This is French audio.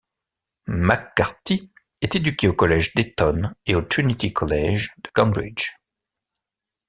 MacCarthy est éduqué au collège d'Eton et au Trinity College de Cambridge.